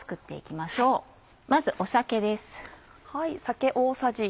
まず酒です。